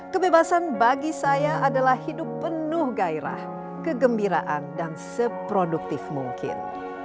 kebebasan bagi saya adalah hidup penuh gairah kegembiraan dan seproduktif mungkin